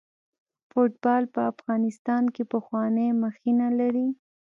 فوټبال په افغانستان کې پخوانۍ مخینه لري.